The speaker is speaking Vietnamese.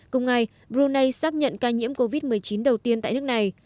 cùng ngày brunei xác nhận ca nhiễm covid một mươi chín đầu tiên tại nước này